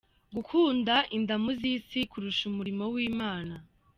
Gukunda indamu z’isi kurusha umurimo w’Imana:.